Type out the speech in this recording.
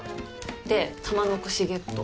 で玉のこしゲット。